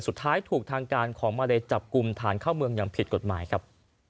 สุดท้ายถูกทางการของมาเลจับกลุ่มฐานเข้าเมืองอย่างผิดกฎหมายครับ